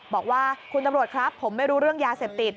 บอกว่าคุณตำรวจครับผมไม่รู้เรื่องยาเสพติด